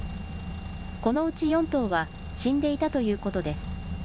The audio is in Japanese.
このうち４頭は死んでいたということです。